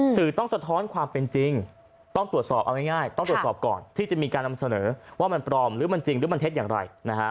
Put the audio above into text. สื่อต้องสะท้อนความเป็นจริงต้องตรวจสอบเอาง่ายต้องตรวจสอบก่อนที่จะมีการนำเสนอว่ามันปลอมหรือมันจริงหรือมันเท็จอย่างไร